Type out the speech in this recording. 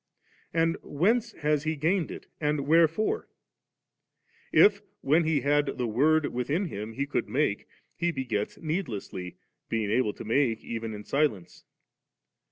And whence has He gained it?' and wherefore? If, when He had 5ie Word within Him, He could make, He b^ets needlessly, being able to make even in silence.